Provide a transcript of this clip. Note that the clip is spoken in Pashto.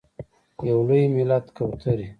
یو لوی ملت کوترې…